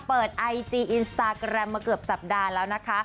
เปิดไอจีอินสตาร์กรัมเมื่อเกือบสัปดาห์แล้วนะคะ